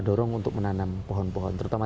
dorong untuk menanam pohon pohon terutama